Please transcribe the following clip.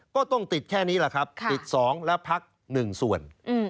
ก็ต้องติดแค่นี้แหละครับติด๒และพัก๑ส่วน